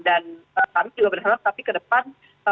dan tapi ke depan